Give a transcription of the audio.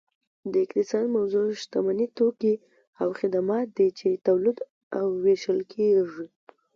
د اقتصاد موضوع شتمني توکي او خدمات دي چې تولید او ویشل کیږي